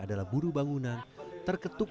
adalah buru bangunan terketuk